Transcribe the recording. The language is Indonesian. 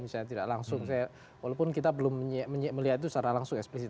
misalnya tidak langsung walaupun kita belum melihat itu secara langsung eksplisit